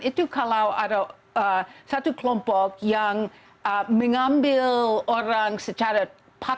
itu kalau ada satu kelompok yang mengambil orang secara patut